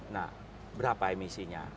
nah berapa emisinya